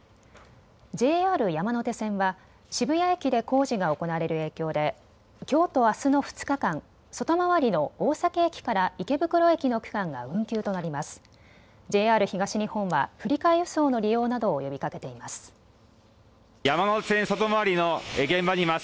ＪＲ山手線は渋谷駅で工事が行われる影響できょうとあすの２日間、外回りの大崎駅から池袋駅の区間が運休となります。